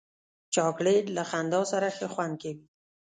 چاکلېټ له خندا سره ښه خوند کوي.